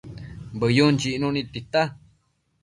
Bëyun chicnu nid tita